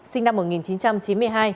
sinh năm một nghìn chín trăm chín mươi hai